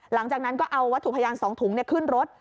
หลังจากนั้นก็เอาวัตถุพยาน๒ถุงขึ้นรถ